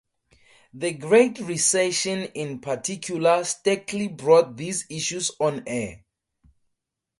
The Great Recession in particular starkly brought these issues on-air.